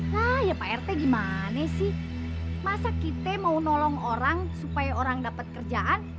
nah ya pak rt gimana sih masa kita mau nolong orang supaya orang dapat kerjaan